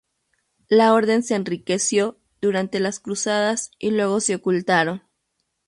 La orden se enriqueció durante las Cruzadas y luego se ocultaron.